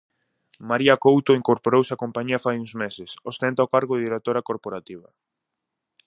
María Couto incorporouse á compañía fai uns meses; ostenta o cargo de directora corporativa.